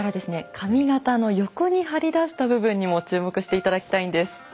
髪形の横に張り出した部分にも注目して頂きたいんです。